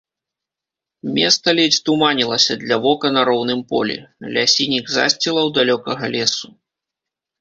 Места ледзь туманілася для вока на роўным полі, ля сініх засцілаў далёкага лесу.